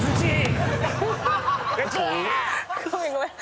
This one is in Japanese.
ごめんごめん。